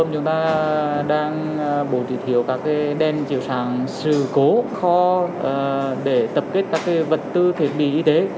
trong tràm bơm chúng ta đang bổ trị thiếu các đen chiều sàng sử cố kho để tập kết các vật tư thiết bị y tế